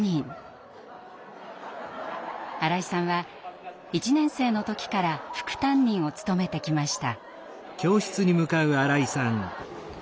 新井さんは１年生の時から副担任を務めてきました。